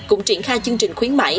cũng triển khai chương trình khuyến mại